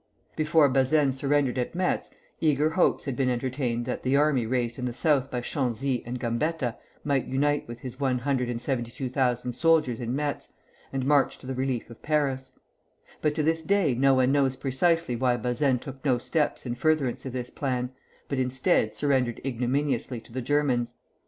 Before Bazaine surrendered at Metz, eager hopes had been entertained that the army raised in the South by Chanzy and Gambetta might unite with his one hundred and seventy two thousand soldiers in Metz, and march to the relief of Paris; but to this day no one knows precisely why Bazaine took no steps in furtherance of this plan, but, instead, surrendered ignominiously to the Germans.